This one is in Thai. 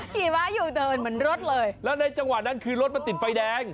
เหมือนรถเลยแล้วในจังหวะนั้นคือรถมาติดไฟแดง